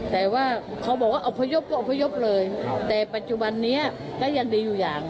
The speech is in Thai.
แต่ว่าเขาบอกว่าอพยพก็อพยพเลยแต่ปัจจุบันนี้ก็ยังดีอยู่อย่าง